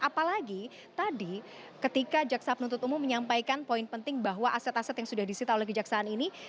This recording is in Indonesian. apalagi tadi ketika jaksa penuntut umum menyampaikan poin penting bahwa aset aset yang sudah disita oleh kejaksaan ini